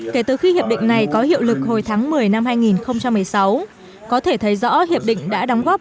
kể từ khi hiệp định này có hiệu lực hồi tháng một mươi năm hai nghìn một mươi sáu có thể thấy rõ hiệp định đã đóng góp